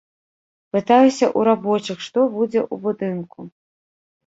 Пытаюся ў рабочых, што будзе ў будынку.